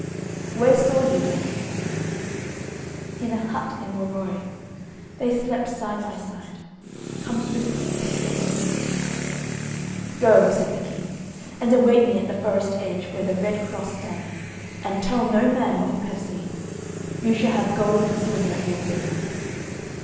"Where saw you them?" "In a hut in Morois, they slept side by side. Come swiftly and take your vengeance." "Go," said the King, "and await me at the forest edge where the red cross stands, and tell no man what you have seen. You shall have gold and silver at your will."